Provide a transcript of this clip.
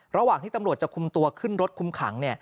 ระหว่างที่ตำรวจจะคุมตัวขึ้นรถคุมขัง